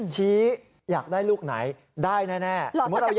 อยากได้ลูกไหนได้แน่